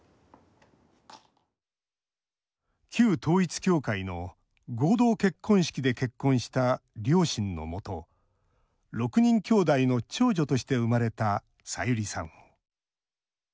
旧統一教会の合同結婚式で結婚した両親のもと６人きょうだいの長女として生まれた、さゆりさん。